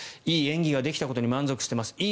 いい演技ができたことに満足しています